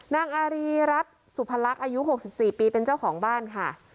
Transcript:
นางอารีรัฐสุพลักษณ์อายุหกสิบสี่ปีเป็นเจ้าของบ้านค่ะ